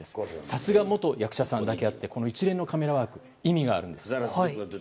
さすが元役者さんだけあってこの一連のカメラワークには意味があるんです。